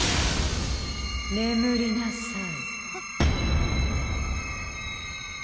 眠りなさい。